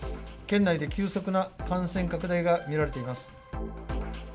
県内で急速な感染拡大が見られています。